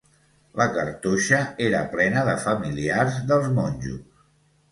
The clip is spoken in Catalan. La cartoixa era plena de familiars dels monjos.